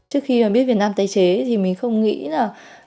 trước khi biết việt nam tái chế thì mình không nghĩ là